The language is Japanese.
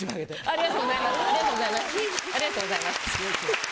ありがとうございます。